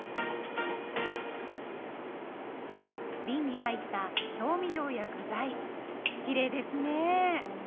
びんに入った調味料や具材きれいですね。